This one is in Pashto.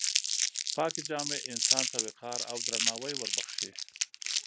پاکې جامې انسان ته وقار او درناوی وربښي.